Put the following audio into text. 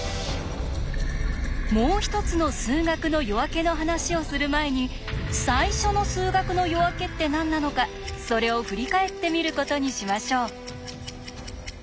「もう一つの数学の夜明け」の話をする前に「最初の数学の夜明け」って何なのかそれを振り返ってみることにしましょう。